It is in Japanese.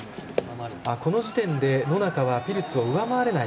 この時点で野中はピルツを上回れない。